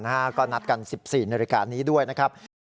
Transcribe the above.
ก็นัดกัน๑๔นาฬิกานี้ด้วยนะครับ